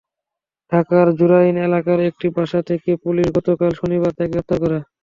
ঢাকার জুরাইন এলাকার একটি বাসা থেকে পুলিশ গতকাল শনিবার তাঁকে গ্রেপ্তার করে।